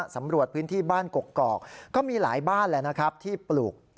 สำรวจพื้นที่บ้านกรกอกก็มีหลายบ้านที่ปลูก